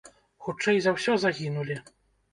Хутчэй за ўсё, загінулі.